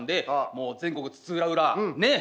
もう全国津々浦々ねえ。